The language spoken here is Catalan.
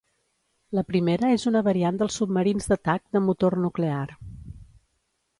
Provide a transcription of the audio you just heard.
La primera és una variant dels submarins d'atac de motor nuclear.